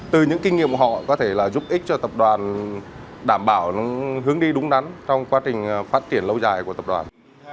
từ những kinh nghiệm của họ có thể là giúp ích cho tập đoàn đảm bảo hướng đi đúng đắn trong quá trình phát triển lâu dài của tập đoàn